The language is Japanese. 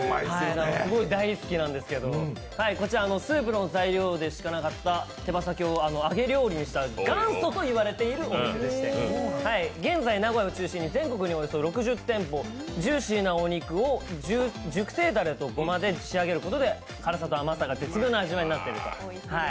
すごい大好きなんですけど、スープの材料でしかなかった手羽先を揚げ物料理にした元祖のお店ということでして、現在、名古屋を中心に全国で６０店舗ジューシーなお肉を熟成ダレとごまで仕上げることで辛さと甘さが絶妙な味わいになってると。